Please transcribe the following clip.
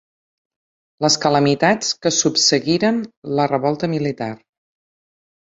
Les calamitats que subseguiren la revolta militar.